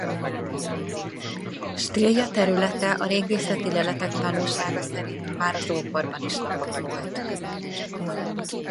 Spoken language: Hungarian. Stilja területe a régészeti leletek tanúsága szerint már az ókorban is lakott volt.